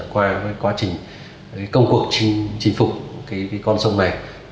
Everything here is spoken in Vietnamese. qua quá trình công cuộc chinh phục cái con sông này